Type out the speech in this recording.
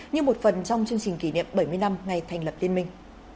như một phần trong chương trình kỷ niệm bảy mươi năm ngày thành lập liên minh